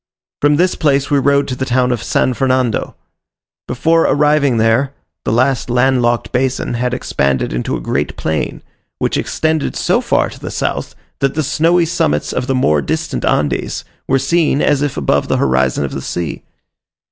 From this place we rode to the town of San Fernando. Before arriving there, the last land locked basin had expanded into a great plain, which extended so far to the south, that the snowy summits of the more distant Andes were seen as if above the horizon of the sea.